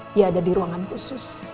dia ada di ruangan khusus